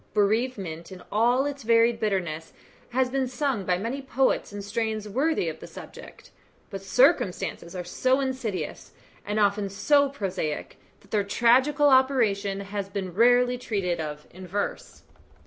Bereavement in all its varied bitterness has been sung by many poets in strains worthy of the subject; but circumstances are so insidious, and often so prosaic, that their tragical operation has been rarely treated of in verse.